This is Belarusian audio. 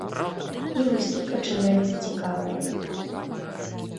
І вось тут пачынаецца цікавае.